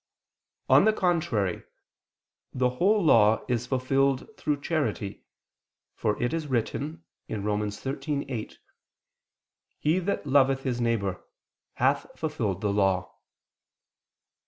On the contrary, The whole Law is fulfilled through charity, for it is written (Rom. 13:8): "He that loveth his neighbor, hath fulfilled the Law."